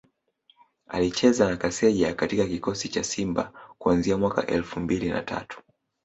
Alicheza na Kaseja katika kikosi cha Simba kuanzia mwaka elfu mbili na tatu